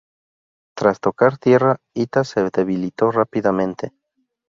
Tras tocar tierra, Ita se debilitó rápidamente.